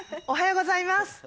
おはようございます。